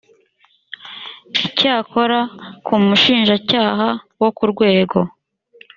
icyakora ku mushinjacyaha wo ku rwego